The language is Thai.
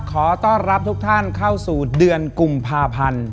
ขอต้อนรับทุกท่านเข้าสู่เดือนกุมภาพันธ์